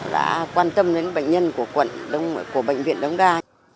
đã quan tâm đến bệnh nhân của bệnh viện đông đa